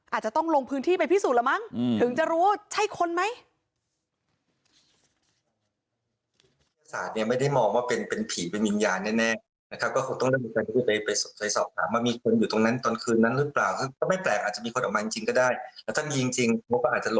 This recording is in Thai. อาจจะต้องลงพื้นที่ไปพิสูจนละมั้งถึงจะรู้ว่าใช่คนไหม